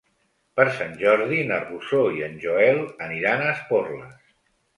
Per Sant Jordi na Rosó i en Joel aniran a Esporles.